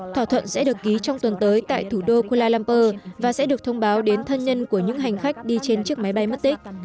thỏa thuận sẽ được ký trong tuần tới tại thủ đô kuala lumpur và sẽ được thông báo đến thân nhân của những hành khách đi trên chiếc máy bay mất tích